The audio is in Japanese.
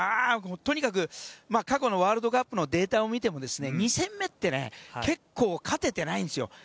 とにかく過去のワールドカップのデータを見ても２戦目って結構、勝ててないんですよ。